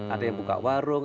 ada yang buka warung